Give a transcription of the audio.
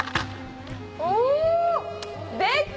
お！